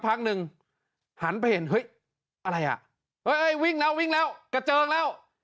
พักหนึ่งหันไปเห็นเฮ้ยอะไรอ่ะเฮ้ยวิ่งแล้ววิ่งแล้วกระเจิงแล้ว